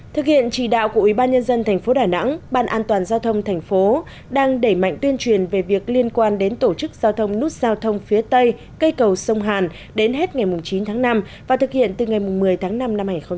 thực hiện chỉ đạo của ủy ban nhân dân tp đà nẵng ban an toàn giao thông tp đang đẩy mạnh tuyên truyền về việc liên quan đến tổ chức giao thông nút giao thông phía tây cây cầu sông hàn đến hết ngày chín tháng năm và thực hiện từ ngày một mươi tháng năm năm hai nghìn một mươi tám